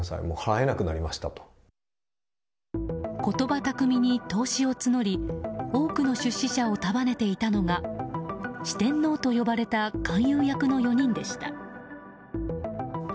言葉巧みに投資を募り多くの出資者を束ねていたのが四天王と呼ばれた勧誘役の４人でした。